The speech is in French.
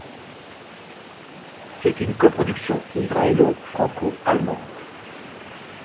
C'est une coproduction israëlo-franco-allemande.